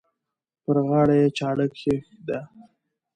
پر غاړه یې چاړه کښېږده.